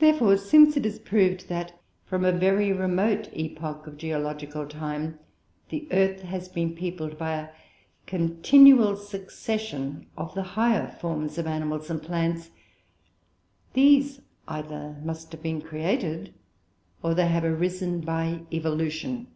Therefore, since it is proved that, from a very remote epoch of geological time, the earth has been peopled by a continual succession of the higher forms of animals and plants, these either must have been created, or they have arisen by evolution.